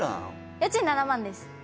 家賃７万です